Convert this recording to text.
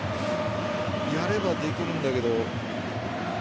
やればできるんだけど。